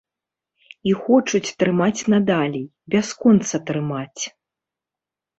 І хочуць трымаць надалей, бясконца трымаць.